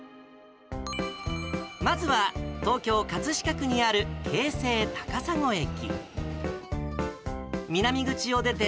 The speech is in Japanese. まずは東京・葛飾区にある京成高砂駅。